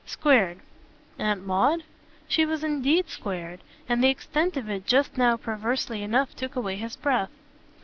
"Squared," Aunt Maud? She was indeed squared, and the extent of it just now perversely enough took away his breath.